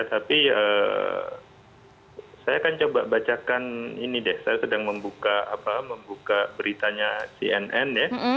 tapi saya akan coba bacakan ini deh saya sedang membuka beritanya cnn ya